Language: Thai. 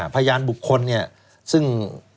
พยานบุคคลเนี่ยซึ่ง